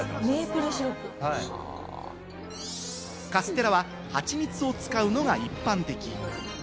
カステラはハチミツを使うのが一般的。